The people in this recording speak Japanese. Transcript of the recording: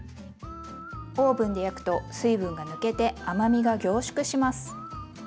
オーブンで焼くと水分が抜けて甘みが凝縮します。